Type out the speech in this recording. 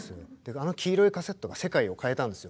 あの黄色いカセットが世界を変えたんですよ。